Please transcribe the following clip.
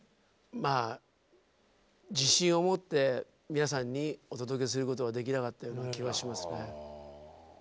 まあ自信を持って皆さんにお届けすることはできなかったような気はしますね。